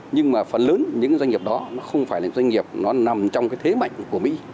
nhưng mà phần lớn những doanh nghiệp đó nó không phải là doanh nghiệp nó nằm trong cái thế mạnh của mỹ